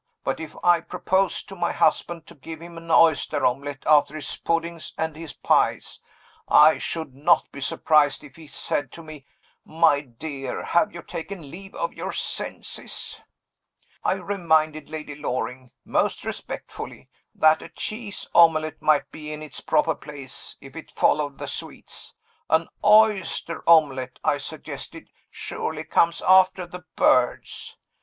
But if I proposed to my husband to give him an oyster omelet after his puddings and his pies, I should not be surprised if he said to me, 'My dear, have you taken leave of your senses?' I reminded Lady Loring (most respectfully) that a cheese omelette might be in its proper place if it followed the sweets. 'An oyster omelet,' I suggested, 'surely comes after the birds?